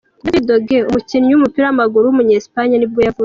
David de Gea, umukinnyi w’umupira w’amaguru w’umunya Espagne nibwo yavutse.